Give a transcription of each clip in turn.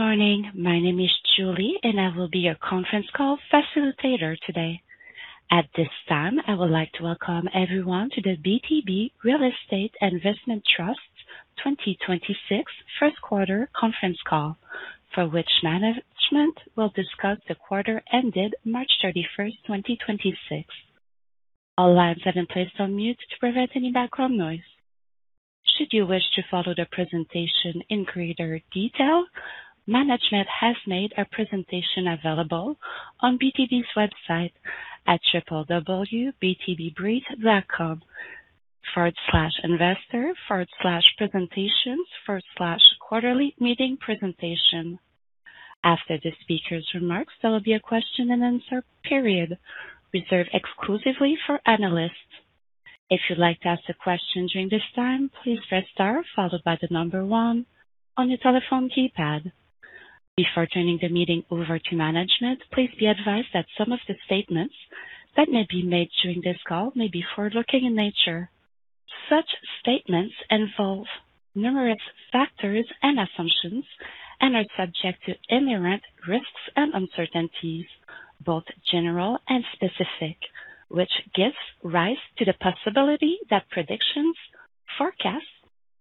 Good morning. My name is Julie, and I will be your conference call facilitator today. At this time, I would like to welcome everyone to the BTB Real Estate Investment Trust's 2026 first quarter conference call, for which management will discuss the quarter ended March 31st, 2026. All lines have been placed on mute to prevent any background noise. Should you wish to follow the presentation in greater detail, management has made a presentation available on BTB's website at www.btbreit.com/investor/presentations/quarterly-meeting-presentation. After the speaker's remarks, there will be a question and answer period reserved exclusively for analysts. If you'd like to ask a question during this time, please press star followed by one on your telephone keypad. Before turning the meeting over to management, please be advised that some of the statements that may be made during this call may be forward-looking in nature. Such statements involve numerous factors and assumptions and are subject to inherent risks and uncertainties, both general and specific, which gives rise to the possibility that predictions, forecasts,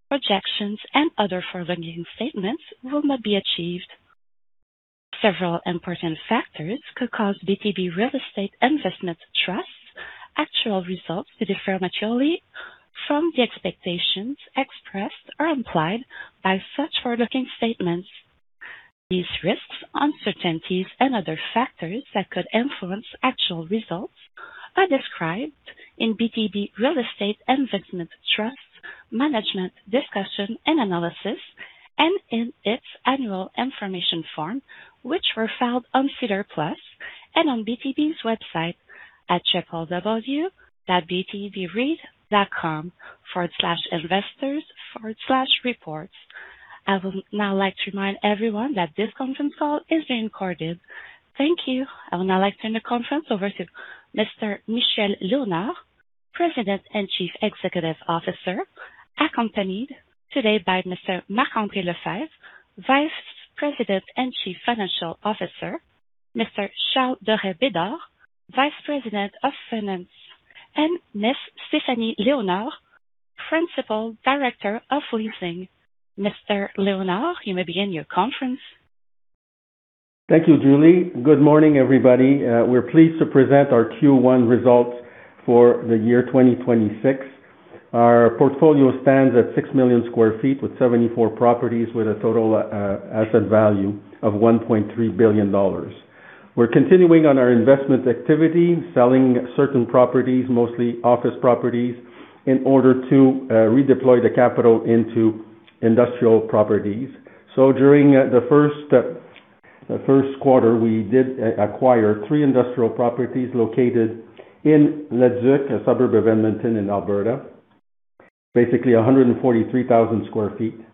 projections, and other forward-looking statements will not be achieved. Several important factors could cause BTB Real Estate Investment Trust actual results to differ materially from the expectations expressed or implied by such forward-looking statements. These risks, uncertainties, and other factors that could influence actual results are described in BTB Real Estate Investment Trust Management Discussion and Analysis and in its annual information form, which were filed on SEDAR+ and on BTB's website at www.btbreit.com/investors/reports. I would now like to remind everyone that this conference call is being recorded. Thank you. I would now like to turn the conference over to Mr. Michel Léonard, President and Chief Executive Officer, accompanied today by Mr. Marc-André Lefebvre, Vice President and Chief Financial Officer, Mr. Charles Dorais Bédard, Vice President of Finance, and Miss Stéphanie Léonard, Principal Director of Leasing. Mr. Léonard, you may begin your conference. Thank you, Julie. Good morning, everybody. We're pleased to present our Q1 results for the year 2026. Our portfolio stands at 6 million sq ft with 74 properties with a total asset value of 1.3 billion dollars. We're continuing on our investment activity, selling certain properties, mostly office properties, in order to redeploy the capital into industrial properties. During the first quarter, we did acquire three industrial properties located in Leduc, a suburb of Edmonton in Alberta, basically 143,000 sq ft.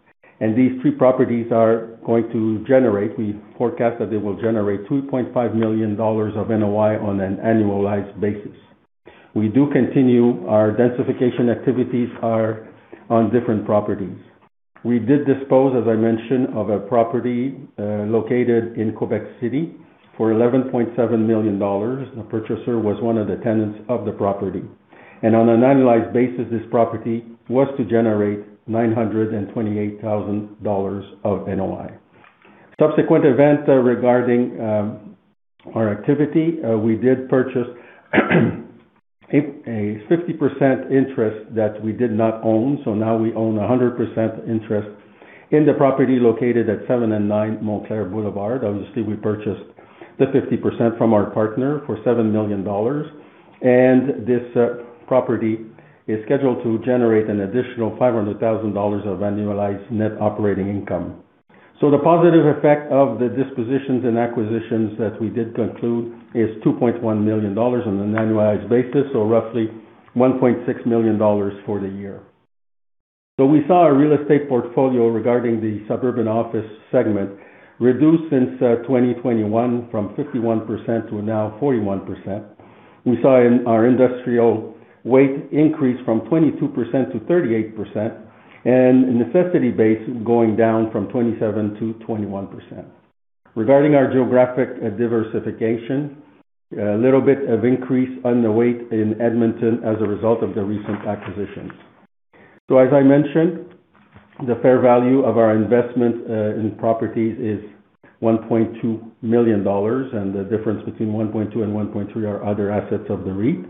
And this three properties are going to generate. We forecast that they will generate 2.5 million dollars of NOI on an annualized basis. We do continue our densification activities are on different properties. We did dispose, as I mentioned, of a property, located in Quebec City for 11.7 million dollars. The purchaser was one of the tenants of the property. On an annualized basis, this property was to generate 928,000 dollars of NOI. Subsequent events regarding our activity, we did purchase a 50% interest that we did not own, so now we own a 100% interest in the property located at seven and nine Montclair Boulevard. Obviously, we purchased the 50% from our partner for 7 million dollars, and this property is scheduled to generate an additional 500,000 dollars of annualized net operating income. The positive effect of the dispositions and acquisitions that we did conclude is 2.1 million dollars on an annualized basis, roughly 1.6 million dollars for the year. We saw our real estate portfolio regarding the suburban office segment reduced since 2021 from 51% to now 41%. We saw in our industrial weight increase from 22%-38% and a necessity base going down from 27%-21%. Regarding our geographic diversification, a little bit of increase on the weight in Edmonton as a result of the recent acquisitions. As I mentioned, the fair value of our investment in properties is 1.2 million dollars, and the difference between 1.2 million and 1.3 million are other assets of the REIT.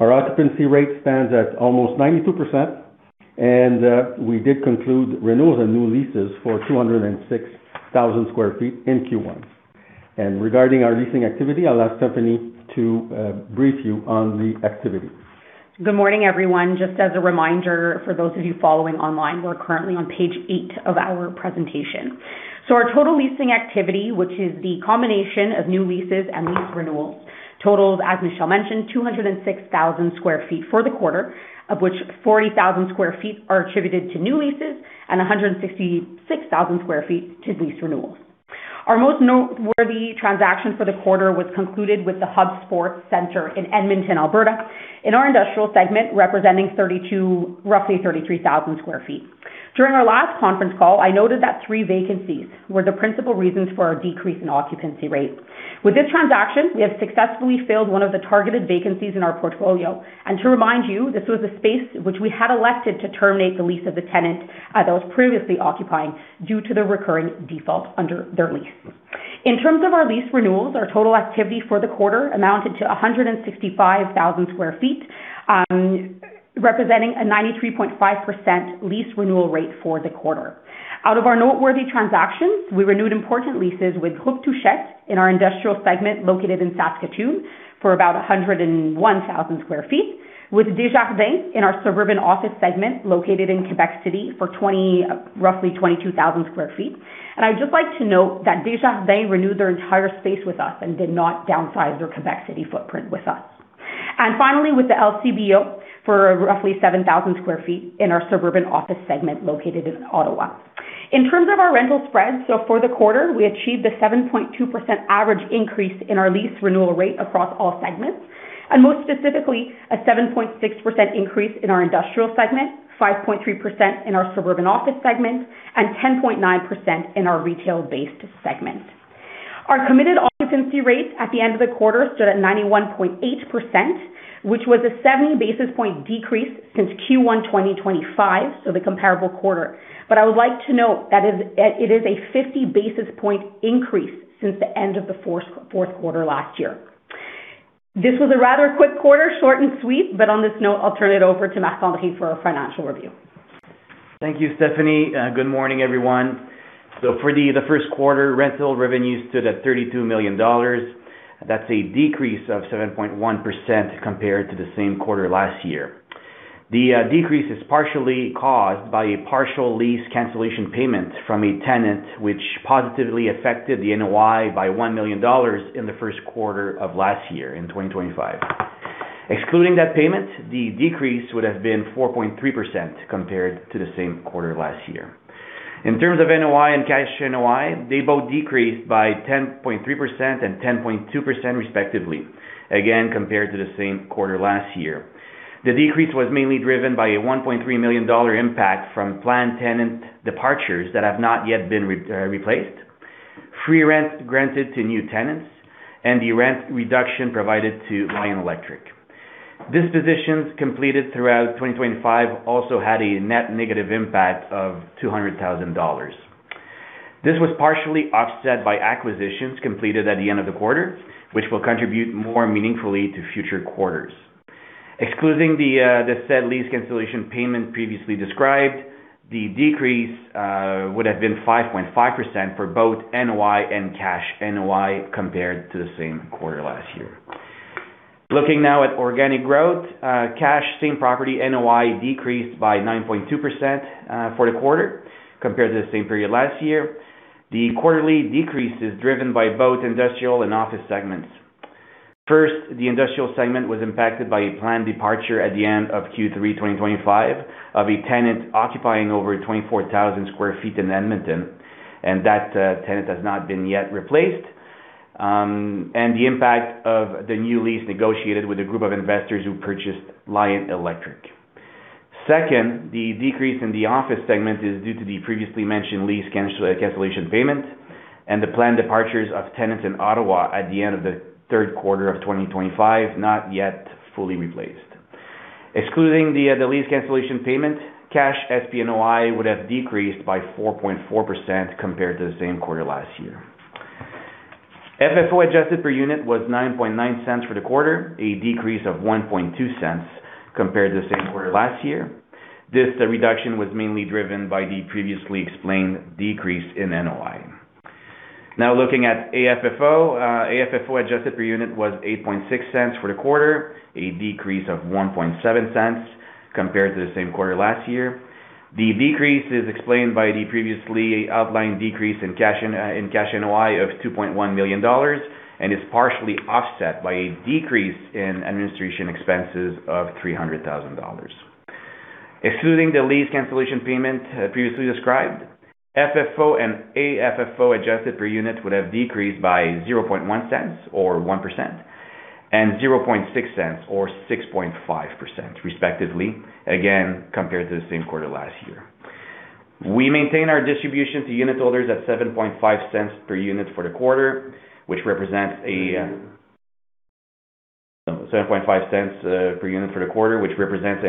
Our occupancy rate stands at almost 92%, we did conclude renewals and new leases for 206,000 sq ft in Q1. Regarding our leasing activity, I'll ask Stéphanie to brief you on the activity. Good morning, everyone. Just as a reminder for those of you following online, we're currently on page 8 of our presentation. Our total leasing activity, which is the combination of new leases and lease renewals, totals, as Michel mentioned, 206,000 sq ft for the quarter, of which 40,000 sq ft are attributed to new leases and 166,000 sq ft to lease renewals. Our most noteworthy transaction for the quarter was concluded with the Hub Sports Centre in Edmonton, Alberta in our industrial segment representing roughly 33,000 sq ft. During our last conference call, I noted that three vacancies were the principal reasons for our decrease in occupancy rate. With this transaction, we have successfully filled onr of the targeted vacancies in our portfolio. To remind you, this was a space which we had elected to terminate the lease of the tenant that was previously occupying due to the recurring default under their lease. In terms of our lease renewals, our total activity for the quarter amounted to 165,000 sq ft, representing a 93.5% lease renewal rate for the quarter. Out of our noteworthy transactions, we renewed important leases with Groupe Touchette in our industrial segment, located in Saskatoon for about 101,000 sq ft. With Desjardins in our suburban office segment, located in Quebec City for 22,000 sq ft. I'd just like to note that Desjardins renewed their entire space with us and did not downsize their Quebec City footprint with us. Finally, with the LCBO for roughly 7,000 sq ft in our suburban office segment located in Ottawa. In terms of our rental spreads, for the quarter, we achieved a 7.2% average increase in our lease renewal rate across all segments, and most specifically, a 7.6% increase in our industrial segment, 5.3% in our suburban office segment, and 10.9% in our retail-based segment. Our committed occupancy rates at the end of the quarter stood at 91.8%, which was a 70 basis point decrease since Q1 2025, the comparable quarter. I would like to note that it is a 50 basis point increase since the end of the fourth quarter last year. This was a rather quick quarter, short and sweet. On this note, I'll turn it over to Marc-André for our financial review. Thank you, Stéphanie. Good morning, everyone. For the first quarter, rental revenues stood at 32 million dollars. That's a decrease of 7.1% compared to the same quarter last year. The decrease is partially caused by a partial lease cancellation payment from a tenant, which positively affected the NOI by 1 million dollars in the first quarter of last year in 2025. Excluding that payment, the decrease would have been 4.3% compared to the same quarter last year. In terms of NOI and cash NOI, they both decreased by 10.3% and 10.2%, respectively. Again, compared to the same quarter last year. The decrease was mainly driven by a 1.3 million dollar impact from planned tenant departures that have not yet been replaced, free rent granted to new tenants, and the rent reduction provided to Lion Electric. Dispositions completed throughout 2025 also had a net negative impact of 200,000 dollars. This was partially offset by acquisitions completed at the end of the quarter, which will contribute more meaningfully to future quarters. Excluding the said lease cancellation payment previously described, the decrease would have been 5.5% for both NOI and cash NOI compared to the same quarter last year. Looking now at organic growth, cash same-property NOI decreased by 9.2% for the quarter compared to the same period last year. The quarterly decrease is driven by both industrial and office segments. First, the industrial segment was impacted by a planned departure at the end of Q3 2025 of a tenant occupying over 24,000 sq ft in Edmonton, and that tenant has not been yet replaced. The impact of the new lease negotiated with a group of investors who purchased Lion Electric. Second, the decrease in the office segment is due to the previously mentioned lease cancellation payment and the planned departures of tenants in Ottawa at the end of the third quarter of 2025, not yet fully replaced. Excluding the lease cancellation payment, cash S-PNOI would have decreased by 4.4% compared to the same quarter last year. FFO adjusted per uni t was 0.099 for the quarter, a decrease of 0.012 compared to the same quarter last year. This reduction was mainly driven by the previously explained decrease in NOI. Looking at AFFO. AFFO adjusted per unit was 0.086 for the quarter, a decrease of 0.017 compared to the same quarter last year. The decrease is explained by the previously outlined decrease in cash NOI of 2.1 million dollars and is partially offset by a decrease in administration expenses of 300,000 dollars. Excluding the lease cancellation payment, previously described, FFO and AFFO adjusted per unit would have decreased by 0.001 or 1%, and 0.006 or 6.5% respectively. Compared to the same quarter last year. We maintain our distribution to unit holders at 0.075 per unit for the quarter, which represents an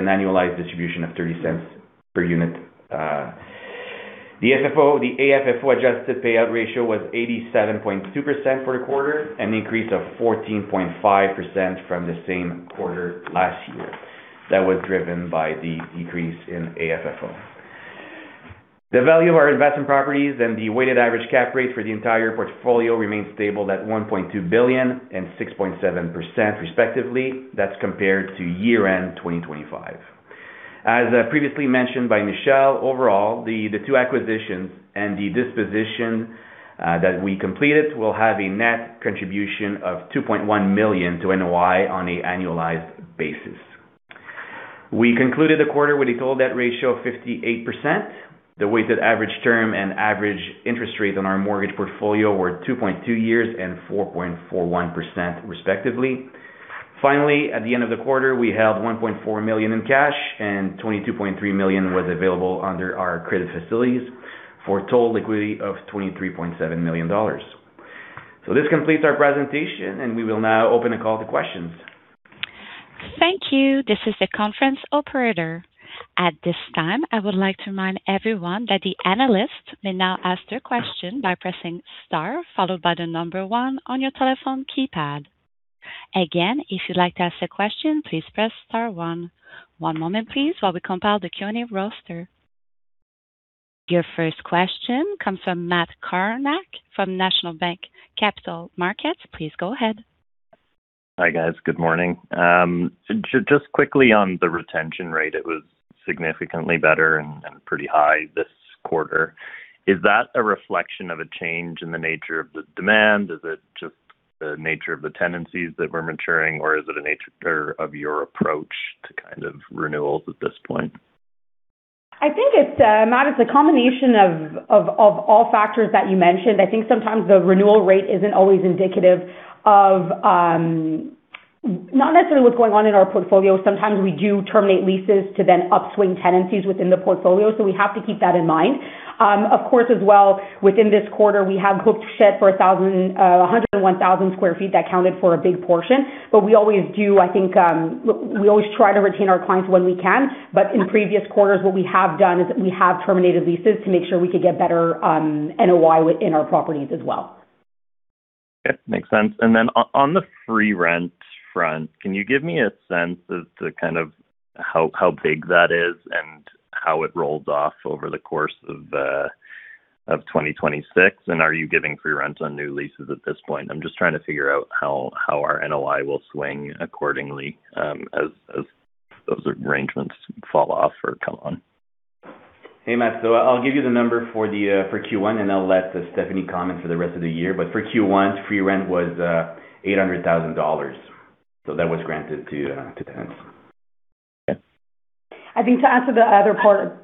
annualized distribution of 0.30 per unit. The AFFO adjusted payout ratio was 87.2% for the quarter, an increase of 14.5% from the same quarter last year. That was driven by the decrease in AFFO. The value of our investment properties and the weighted average cap rate for the entire portfolio remains stable at 1.2 billion and 6.7% respectively. That's compared to year-end 2025. Previously mentioned by Michel, overall, the two acquisitions and the disposition that we completed will have a net contribution of 2.1 million to NOI on an annualized basis. We concluded the quarter with a total debt ratio of 58%. The weighted average term and average interest rate on our mortgage portfolio were 2.2 years and 4.41% respectively. Finally, at the end of the quarter, we have 1.4 million in cash and 22.3 million was available under our credit facilities for total liquidity of 23.7 million dollars. This completes our presentation, and we will now open a call to questions. Thank you. This is the conference operator. At this time, I would like to remind everyone that the analyst may now ask their question by pressing star followed by the number one on your telephone keypad. Again, if you'd like to ask a question, please press star one. One moment please, while we compile the Q and A roster. Your first question comes from Matt Kornack from National Bank Financial, please go ahead. Hi, guys. Good morning. Just quickly on the retention rate. It was significantly better and pretty high this quarter. Is that a reflection of a change in the nature of the demand? Is it just the nature of the tenancies that were maturing, or is it a nature of your approach to kind of renewals at this point? I think it's the, Matt it's a combination of all factors that you mentioned. I think sometimes the renewal rate isn't always indicative of not necessarily what's going on in our portfolio. Sometimes we do terminate leases to then upswing tenancies within the portfolio. We have to keep that in mind. Of course, as well, within this quarter, we have Groupe Touchette for 101,000 sq ft that counted for a big portion. We always do, I think, we always try to retain our clients when we can, but in previous quarters, what we have done is we have terminated leases to make sure we could get better on NOI within our properties as well. Yeah. Makes sense. On the free rent front, can you give me a sense as to kind of how big that is and how it rolls off over the course of 2026? Are you giving free rent on new leases at this point? I'm just trying to figure out how our NOI will swing accordingly, as those arrangements fall off or come on? Hey, Matt. I'll give you the number for Q1, and I'll let Stéphanie comment for the rest of the year. For Q1, free rent was 800,000 dollars. That was granted to tenants. Yeah. I think to answer the other part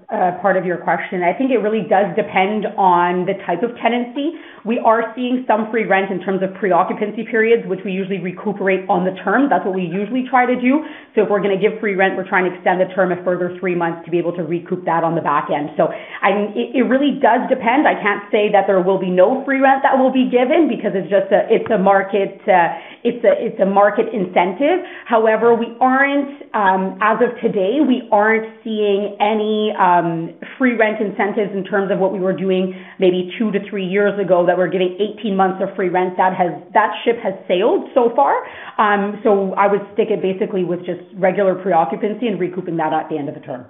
of your question, I think it really does depend on the type of tenancy. We are seeing some free rent in terms of pre-occupancy periods, which we usually recuperate on the term. That's what we usually try to do. If we're gonna give free rent, we're trying to extend the term a further three months to be able to recoup that on the back end. I mean, it really does depend. I can't say that there will be no free rent that will be given because It's a market, it's a market incentive. However, we aren't, as of today, we aren't seeing any free rent incentives in terms of what we were doing maybe two to three years ago, that we're giving 18 months of free rent. That ship has sailed so far. I would stick it basically with just regular pre-occupancy and recouping that at the end of the term.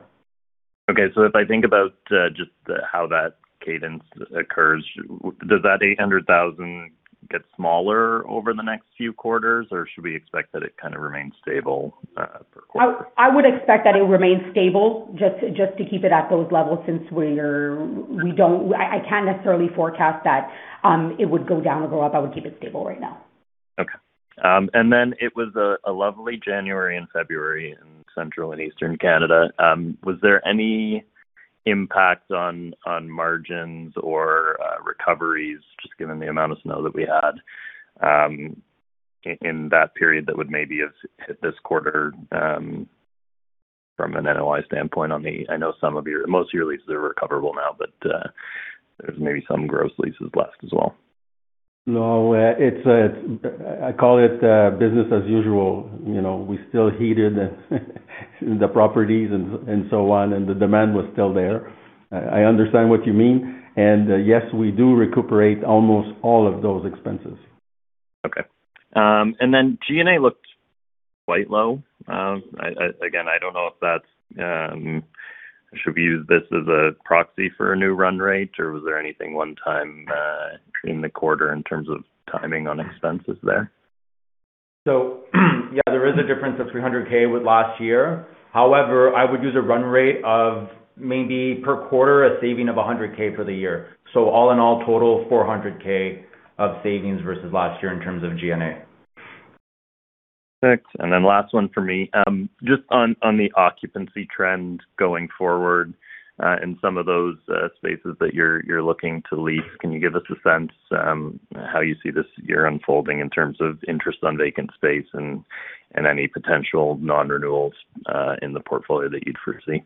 Okay. If I think about, just how that cadence occurs, does that 800,000 get smaller over the next few quarters, or should we expect that it kind of remains stable, per quarter? I would expect that it remains stable just to keep it at those levels since I can't necessarily forecast that it would go down or go up. I would keep it stable right now. Okay. Then it was a lovely January and February in Central and Eastern Canada. Was there any impact on margins or recoveries, just given the amount of snow that we had in that period that would maybe have hit this quarter from an NOI standpoint on the I know some of your most of your leases are recoverable now, there's maybe some gross leases left as well? No, it's, I call it, business as usual. You know, we still heated the properties and so on, and the demand was still there. I understand what you mean. Yes, we do recuperate almost all of those expenses. Okay. G&A looked quite low. Again, I don't know if that's should we use this as a proxy for a new run rate, or was there anything one time in the quarter in terms of timing on expenses there? Yeah, there is a difference of 300,000 with last year. However, I would use a run rate of maybe per quarter, a saving of 100,000 for the year. All in all, total 400,000 of savings versus last year in terms of G&A. Thanks. Last one for me. Just on the occupancy trend going forward, in some of those spaces that you're looking to lease, can you give us a sense how you see this year unfolding in terms of interest on vacant space and any potential non-renewals in the portfolio that you'd foresee?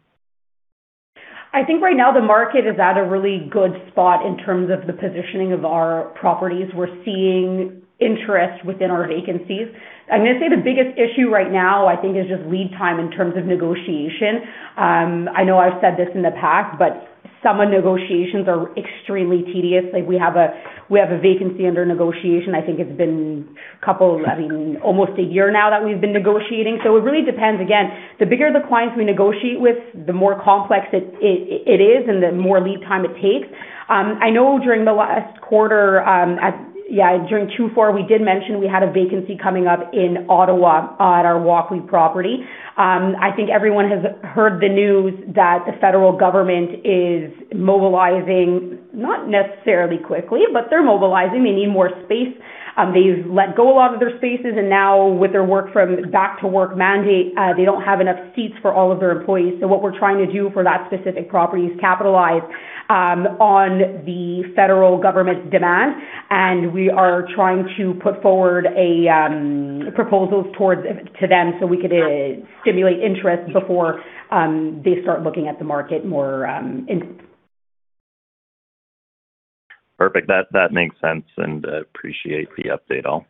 I think right now the market is at a really good spot in terms of the positioning of our properties. We're seeing interest within our vacancies. I'm gonna say the biggest issue right now, I think, is just lead time in terms of negotiation. I know I've said this in the past, but some negotiations are extremely tedious. Like, we have a vacancy under negotiation. I think it's been I mean, almost a year now that we've been negotiating. It really depends. Again, the bigger the clients we negotiate with, the more complex it is and the more lead time it takes. I know during the last quarter, Yeah, during Q4, we did mention we had a vacancy coming up in Ottawa at our Walkley property. I think everyone has heard the news that the Federal Government is mobilizing, not necessarily quickly, but they're mobilizing. They need more space. They've let go a lot of their spaces, and now with their Work From Back to Work Mandate, they don't have enough seats for all of their employees. What we're trying to do for that specific property is capitalize on the Federal Government demand, and we are trying to put forward a proposals to them so we could stimulate interest before they start looking at the market more. Perfect. That makes sense, and I appreciate the update all.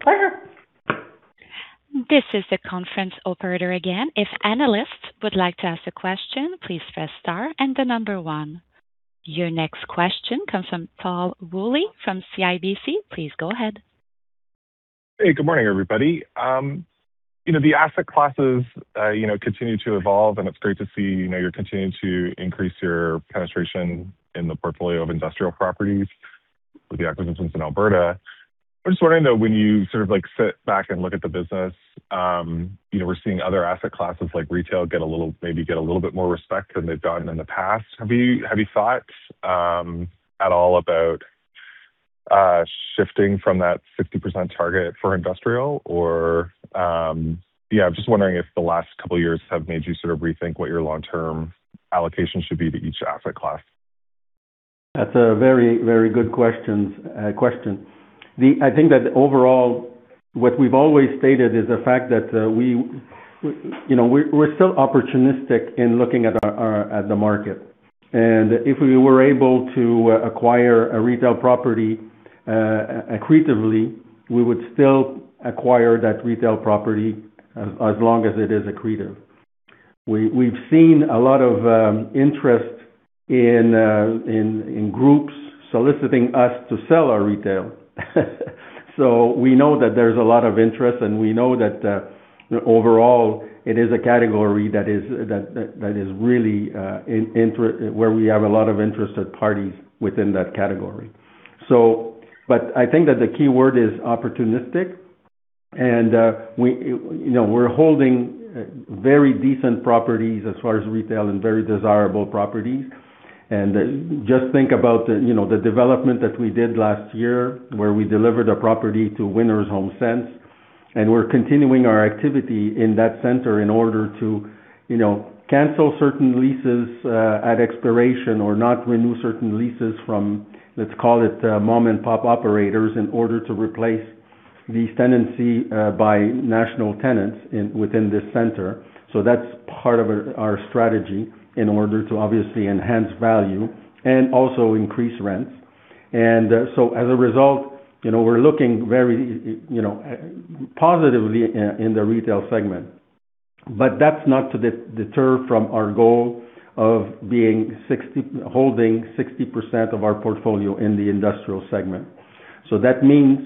[Clear.] This is the conference operator again. If analyst would like to ask a question, please press star and the number one. Your next question comes from Tal Woolley from CIBC. Please go ahead. Hey, good morning, everybody. You know, the asset classes, you know, continue to evolve, and it's great to see, you know, you're continuing to increase your penetration in the portfolio of industrial properties with the acquisitions in Alberta. I'm just wondering, though, when you sort of, like, sit back and look at the business, you know, we're seeing other asset classes like retail get a little bit more respect than they've gotten in the past. Have you thought at all about shifting from that 60% target for industrial or, Yeah, I'm just wondering if the last couple of years have made you sort of rethink what your long-term allocation should be to each asset class? That's a very good question. I think that overall, what we've always stated is the fact that, we, you know, we're still opportunistic in looking at the market. If we were able to acquire a retail property accretively, we would still acquire that retail property as long as it is accretive. We've seen a lot of interest in groups soliciting us to sell our retail. We know that there's a lot of interest, and we know that overall it is a category that is really where we have a lot of interested parties within that category. I think that the key word is opportunistic. We, you know, we're holding very decent properties as far as retail and very desirable properties. Just think about the, you know, the development that we did last year, where we delivered a property to Winners/HomeSense, and we're continuing our activity in that center in order to, you know, cancel certain leases at expiration or not renew certain leases from, let's call it, mom-and-pop operators in order to replace these tenancy by national tenants within this center. That's part of our strategy in order to obviously enhance value and also increase rents. As a result, you know, we're looking very, you know, positively in the retail segment. That's not to deter from our goal of being holding 60% of our portfolio in the industrial segment. That means,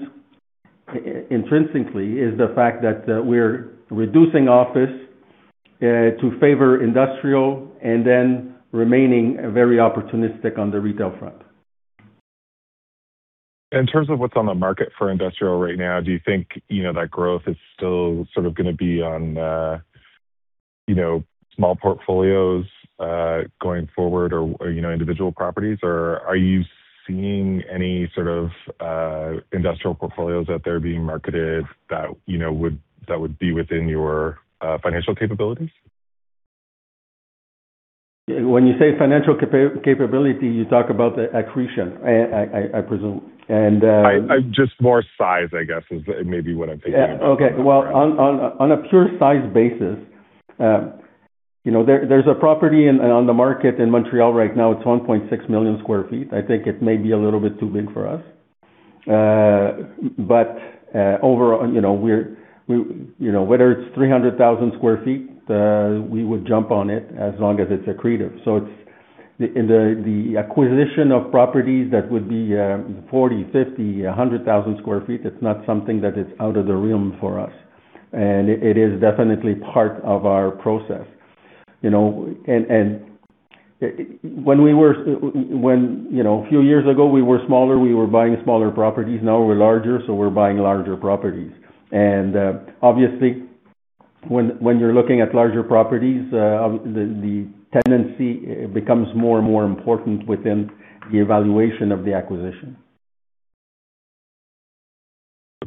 intrinsically, is the fact that we're reducing office to favor industrial and then remaining very opportunistic on the retail front. In terms of what's on the market for industrial right now, do you think, you know, that growth is still sort of gonna be on, you know, small portfolios, going forward or, you know, individual properties? Or are you seeing any sort of industrial portfolios out there being marketed that, you know, that would be within your financial capabilities? When you say financial capability, you talk about the accretion, I presume. Just more size, I guess, is maybe what I'm thinking about. Yeah. Okay. Well, on a pure size basis, you know, there's a property on the market in Montreal right now. It's 1.6 million sq ft. I think it may be a little bit too big for us. Overall, you know, we, you know, whether it's 300,000 sq ft, we would jump on it as long as it's accretive. In the acquisition of properties, that would be 40,000, 50,000, 100,000 sq ft, it's not something that is out of the realm for us, and it is definitely part of our process, you know. When, you know, a few years ago, we were smaller, we were buying smaller properties. Now we're larger, so we're buying larger properties. Obviously, when you're looking at larger properties, the tenancy becomes more and more important within the evaluation of the acquisition.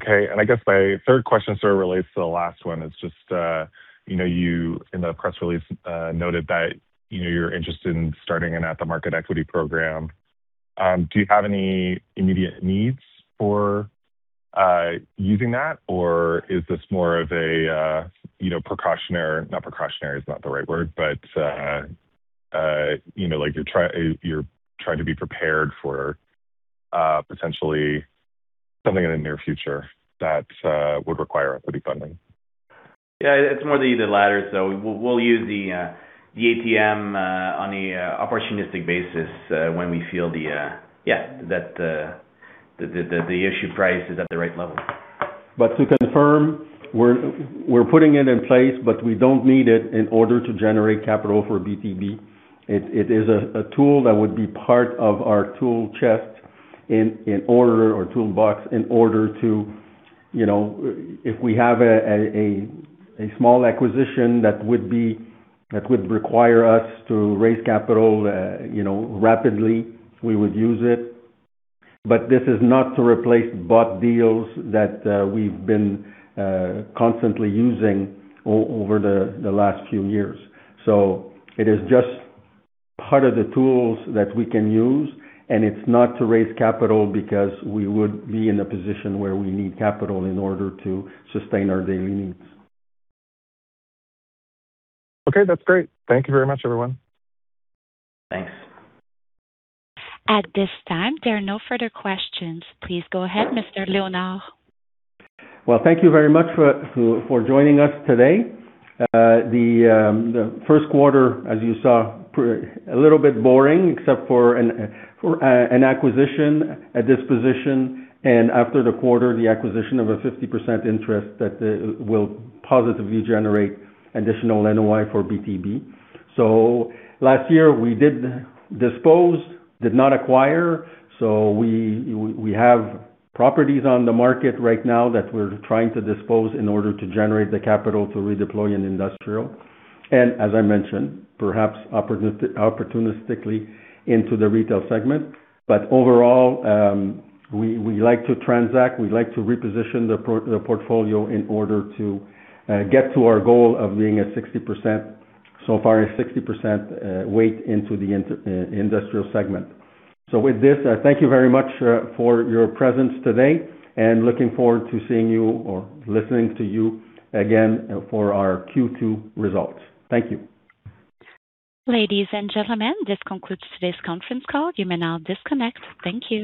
Okay. I guess my third question sort of relates to the last one. It's just, you know, you in the press release, noted that, you know, you're interested in starting an at-the-market equity program. Do you have any immediate needs for using that, or is this more of a, you know, not precautionary, it's not the right word, but, you know, like you're trying to be prepared for potentially something in the near future that would require equity funding? It's more the latter. We'll use the ATM on an opportunistic basis when we feel that the issue price is at the right level. To confirm, we're putting it in place, but we don't need it in order to generate capital for BTB. It is a tool that would be part of our tool chest in order or toolbox in order to, you know, if we have a small acquisition that would require us to raise capital, you know, rapidly, we would use it. This is not to replace bought deals that we've been constantly using over the last few years. It is just part of the tools that we can use, and it's not to raise capital because we would be in a position where we need capital in order to sustain our daily needs. Okay, that's great. Thank you very much, everyone. Thanks. At this time, there are no further questions. Please go ahead, Mr. Léonard. Thank you very much for joining us today. The first quarter, as you saw, a little bit boring except for an acquisition, a disposition, and after the quarter, the acquisition of a 50% interest that will positively generate additional NOI for BTB. Last year, we did dispose, did not acquire. We have properties on the market right now that we're trying to dispose in order to generate the capital to redeploy in industrial and, as I mentioned, perhaps opportunistically into the retail segment. Overall, we like to transact, we like to reposition the portfolio in order to get to our goal of being at 60% weight into the industrial segment. With this, thank you very much, for your presence today, and looking forward to seeing you or listening to you again for our Q2 results. Thank you. Ladies and gentlemen, this concludes today's conference call. You may now disconnect. Thank you.